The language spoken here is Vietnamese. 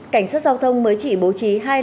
cảnh sát giao thông mới chỉ bố trí